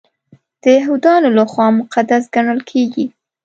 د یهودانو لخوا مقدس ګڼل کیږي.